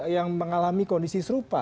yang mengalami kondisi serupa